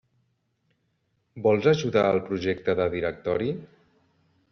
Vols ajudar el Projecte de Directori?